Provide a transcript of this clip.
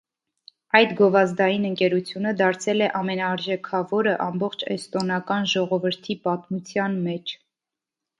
Այդ գովազդային ընկերությունը դարձել է ամենաարժեքավորը ամբողջ էստոնական ժողովրդի պատմության մեջ։